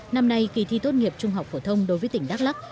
năm nay kỳ thi tốt nghiệp trung học phổ thông đối với tỉnh đắk lắc